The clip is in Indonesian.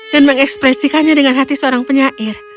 dan mengekspresikannya dengan hati seorang penyair